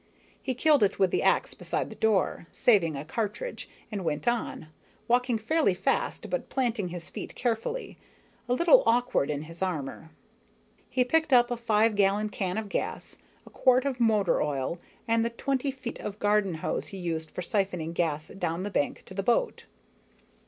He killed it with the ax beside the door, saving a cartridge, and went on, walking fairly fast but planting his feet carefully, a little awkward in his armor. He picked up a five gallon can of gas, a quart of motor oil, and the twenty feet of garden hose he used for siphoning gas down the bank to the boat.